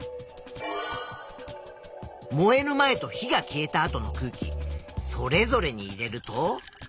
燃える前と火が消えた後の空気それぞれに入れると。